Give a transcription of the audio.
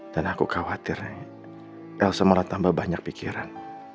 dan aku khawatir elsa malah tambah banyak pikiran